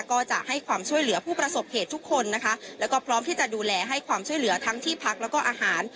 ก็จะให้ความช่วยเหลือผู้ประสบเหตุทุกคนนะคะแล้วก็พร้อมที่จะดูแลให้ความช่วยเหลือทั้งที่พักแล้วก็อาหาร